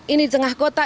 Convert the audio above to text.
ini di tengah kota